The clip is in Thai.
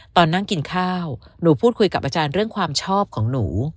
ตอนนั่งกินข้าวหนูพูดคุยกับอาจารย์เรื่องความชอบของหนู